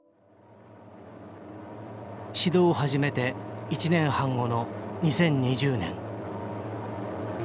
指導を始めて１年半後の２０２０年。